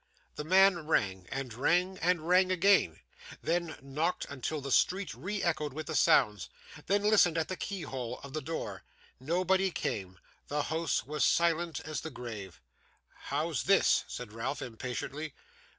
The man rang, and rang, and rang again; then, knocked until the street re echoed with the sounds; then, listened at the keyhole of the door. Nobody came. The house was silent as the grave. 'How's this?' said Ralph impatiently.